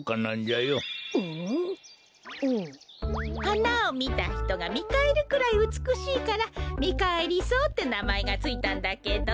はなをみたひとがみかえるくらいうつくしいからミカエリソウってなまえがついたんだけど。